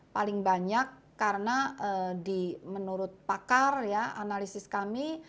paling banyak karena di menurut pakar ya analisis kami